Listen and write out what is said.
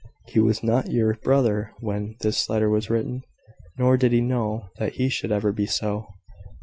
"He was not your brother when this letter was written, nor did he know that he should ever be so.